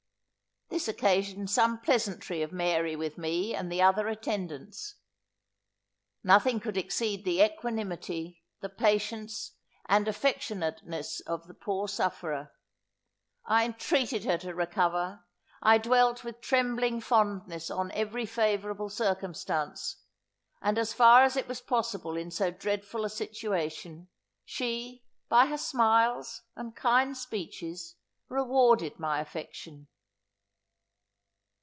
This occasioned some pleasantry of Mary with me and the other attendants. Nothing could exceed the equanimity, the patience and affectionateness of the poor sufferer. I intreated her to recover; I dwelt with trembling fondness on every favourable circumstance; and, as far it was possible in so dreadful a situation, she, by her smiles and kind speeches, rewarded my affection.